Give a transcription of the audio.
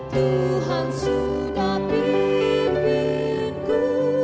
tuhan sudah pimpin ku